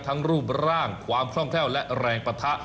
ทั้งรูปร่างความคล่องแท้วและแรงปะทะ